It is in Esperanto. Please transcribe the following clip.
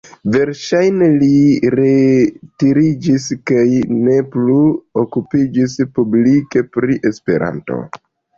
Verŝajne li retiriĝis kaj ne plu okupiĝis publike pri Esperanto.